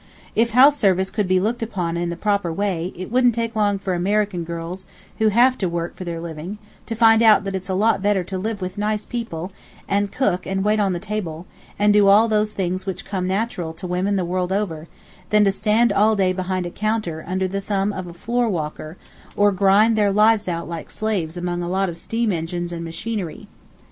If house service could be looked upon in the proper way, it wouldn't take long for American girls who have to work for their living to find out that it's a lot better to live with nice people, and cook and wait on the table, and do all those things which come natural to women the world over, than to stand all day behind a counter under the thumb of a floor walker, or grind their lives out like slaves among a lot of steam engines and machinery.